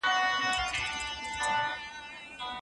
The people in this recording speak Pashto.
دولتونه د همکارۍ له لارې خپل منځي ستونزې حل کوي.